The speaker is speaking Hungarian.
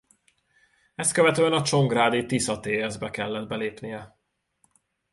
Ezt követően a csongrádi Tisza Tsz-be kellett belépnie.